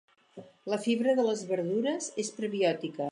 La fibra de les verdures és prebiòtica.